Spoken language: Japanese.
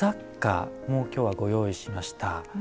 今日はご用意しました。